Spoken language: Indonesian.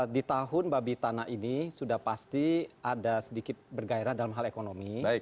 di tahun babi tanah ini sudah pasti ada sedikit bergairah dalam hal ekonomi